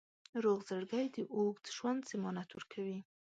روغ زړګی د اوږد ژوند ضمانت ورکوي.